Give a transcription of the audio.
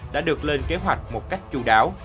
đã được lên kế hoạch một cách chú đáo